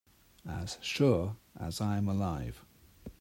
As sure as I am alive.